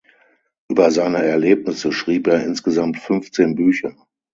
Über seine Erlebnisse schrieb er insgesamt fünfzehn Bücher.